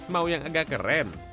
mau yang agak keren